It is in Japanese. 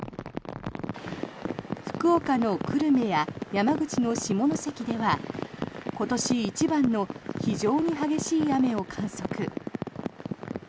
福岡の久留米や山口の下関では今年一番の非常に激しい雨を観測。